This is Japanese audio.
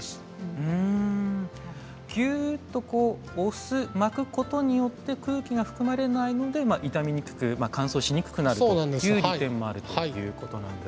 うんギュッとこう押す巻くことによって空気が含まれないので傷みにくく乾燥しにくくなるという利点もあるということなんですか。